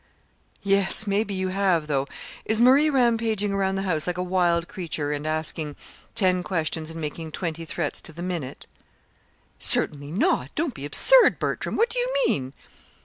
"Yes. Maybe you have, though. Is Marie rampaging around the house like a wild creature, and asking ten questions and making twenty threats to the minute?" "Certainly not! Don't be absurd, Bertram. What do you mean?"